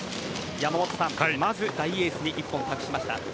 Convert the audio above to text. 山本さん、まず大エースに１本を託しました。